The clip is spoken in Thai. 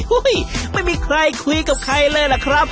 ไม่มีใครคุยกับใครเลยล่ะครับ